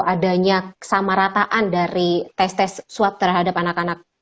adanya kesamarataan dari tes tes swab terhadap anak anak